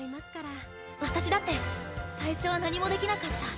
私だって最初は何もできなかった。